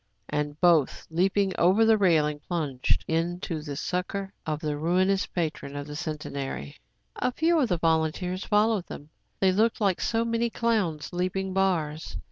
And both, leaping over the railing, plunged in to the succor of the ruinous patron of the Centenary. A few of the volunteers followed them. They looked like so many clowns leaping bars.